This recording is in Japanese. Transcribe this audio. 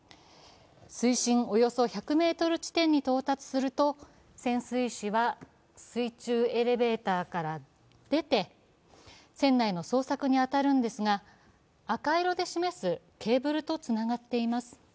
水深およそ１００ｍ地点に到達すると潜水士は水中エレベーターから出て船内の捜索に当たるんですが、赤色で示すケーブルとつながっています。